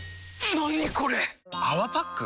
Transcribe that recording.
何これ⁉「泡パック」？